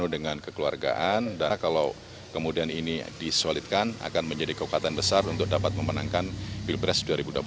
dengan kekeluargaan karena kalau kemudian ini disolidkan akan menjadi kekuatan besar untuk dapat memenangkan pilpres dua ribu dua puluh